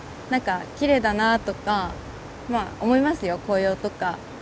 なんかきれいだなあとかまあ思いますよ紅葉とか。